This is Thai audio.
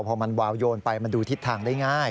พอมันวาวโยนไปมันดูทิศทางได้ง่าย